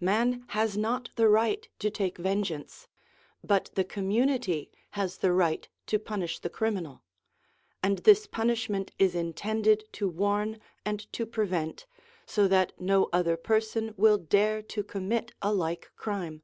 Man has not the right to take vengeance, but the community has the right to punish the criminal ; and this punishment is intended to warn and to prevent, so that no other person will dare to commit a like crime.